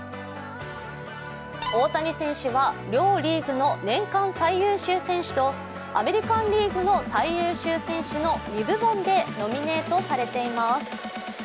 大谷選手は両リーグの年間最優秀選手とアメリカン・リーグの最優秀選手の２部門でノミネ−トされています。